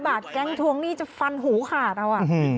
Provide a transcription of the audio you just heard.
บาทแก๊งทวงหนี้จะฟันหูขาดเอา